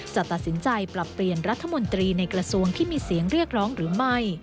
จะตัดสินใจปรับเปลี่ยนรัฐมนตรีในกระทรวงที่มีเสียงเรียกร้องหรือไม่